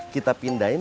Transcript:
kita pindah ke sini